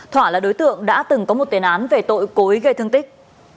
thỏa là đối tượng đã từng có một tên án về tội cối gây thương tích